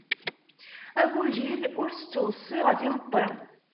Agujil ur t-ttweṣṣi ɣef imeṭṭi.